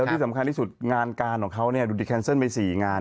ที่สำคัญที่สุดงานการของเขาดูดิแคนเซิลไป๔งาน